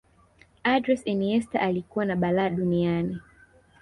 andres iniesta alikuwa na balaa duniani